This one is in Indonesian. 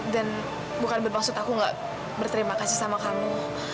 dan bukan bermaksud aku nggak berterima kasih sama kamu